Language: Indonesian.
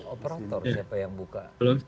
operator siapa yang buka